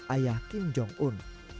ayah kim jong un